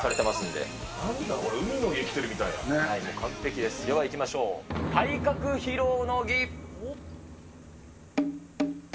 ではいきましょう、体格披露の儀。